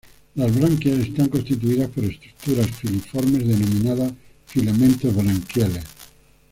Las branquias están constituidas por estructuras filiformes denominadas filamentos branquiales.